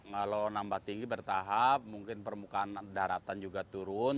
kalau nambah tinggi bertahap mungkin permukaan daratan juga turun